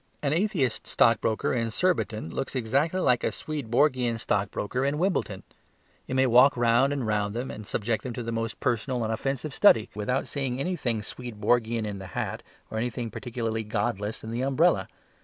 An atheist stockbroker in Surbiton looks exactly like a Swedenborgian stockbroker in Wimbledon. You may walk round and round them and subject them to the most personal and offensive study without seeing anything Swedenborgian in the hat or anything particularly godless in the umbrella.